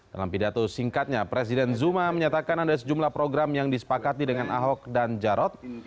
dalam pidato singkatnya presiden zuma menyatakan ada sejumlah program yang disepakati dengan ahok dan jarot